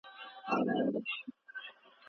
چې ستا نفس وي، زما غاړه او مېله د دهقان